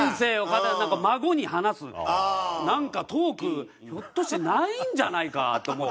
孫に話すなんかトークひょっとしてないんじゃないか？と思って。